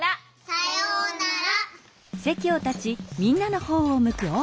さようなら。